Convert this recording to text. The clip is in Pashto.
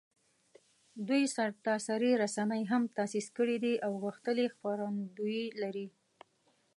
دوی سرتاسري رسنۍ هم تاسیس کړي دي او غښتلي خپرندویې لري